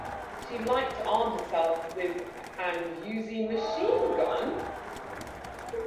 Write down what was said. She liked to arm herself with an Uzi machine-gun.